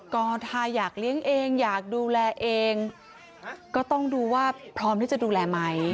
ก็ถ้าอยากเลี้ยงเองอยากดูแลเองก็ต้องดูว่าพร้อมที่จะดูแลไหม